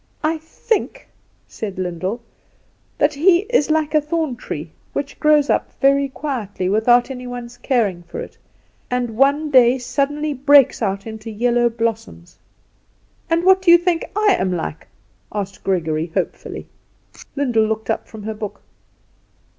"I think," said Lyndall, "that he is like a thorn tree, which grows up very quietly, without any one's caring for it, and one day suddenly breaks out into yellow blossoms." "And what do you think I am like?" asked Gregory, hopefully. Lyndall looked up from her book.